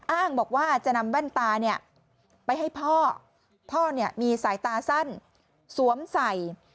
อ้างบอกว่าจะนำแว่นตาเนี่ยไปให้พ่อพ่อเนี่ยมีสายตาสั้นสวมใส่